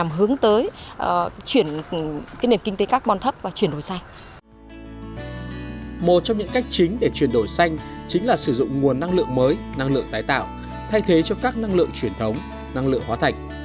một trong những cách chính để chuyển đổi xanh chính là sử dụng nguồn năng lượng mới năng lượng tái tạo thay thế cho các năng lượng truyền thống năng lượng hóa thạch